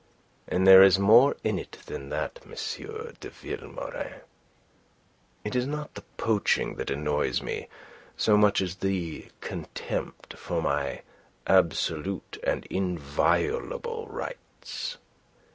And there is more in it than that, M. de Vilmorin. It is not the poaching that annoys me so much as the contempt for my absolute and inviolable rights.